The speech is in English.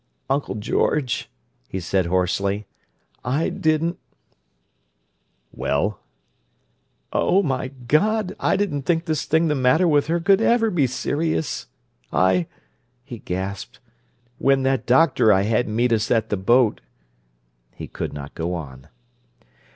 "Uncle George," he said hoarsely. "I didn't—" "Well?" "Oh, my God, I didn't think this thing the matter with her could ever be serious! I—" He gasped. "When that doctor I had meet us at the boat—" He could not go on.